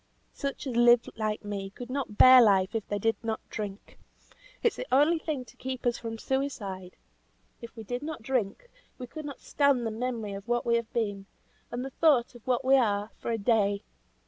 Such as live like me could not bear life if they did not drink. It's the only thing to keep us from suicide. If we did not drink, we could not stand the memory of what we have been, and the thought of what we are, for a day.